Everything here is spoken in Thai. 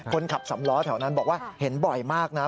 คนขับสำล้อแถวนั้นบอกว่าเห็นบ่อยมากนะ